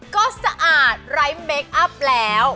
ก็สะอาดไร้เมคอัพแล้ว